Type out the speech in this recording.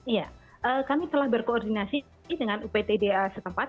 iya kami telah berkoordinasi dengan uptda setempat